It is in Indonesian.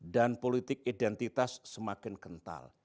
dan politik identitas semakin kental